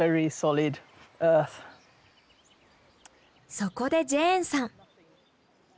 そこでジェーンさん。